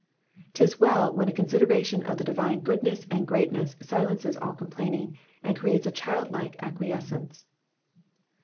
'Tis well when a consideration of the divine goodness and greatness silences all complaining, and creates a childlike ac quiescence.